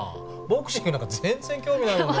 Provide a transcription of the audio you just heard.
ボクシングなんか全然興味ないもん僕。